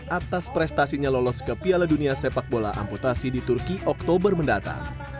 atas prestasinya lolos ke piala dunia sepak bola amputasi di turki oktober mendatang